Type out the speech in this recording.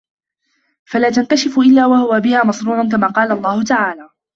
فَلَا تَنْكَشِفُ إلَّا وَهُوَ بِهَا مَصْرُوعٌ كَمَا قَالَ اللَّهُ تَعَالَى